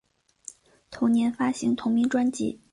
同年发行同名专辑。